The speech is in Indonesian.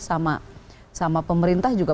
sama pemerintah juga